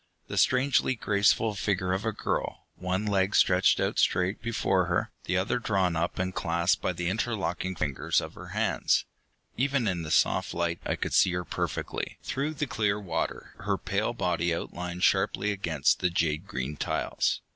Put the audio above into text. The strangely graceful figure of a girl, one leg stretched out straight before her, the other drawn up and clasped by the interlocked fingers of her hands. Even in the soft light I could see her perfectly, through the clear water, her pale body outlined sharply against the jade green tiles.